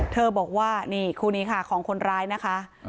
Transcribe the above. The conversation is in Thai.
บอกว่านี่คู่นี้ค่ะของคนร้ายนะคะ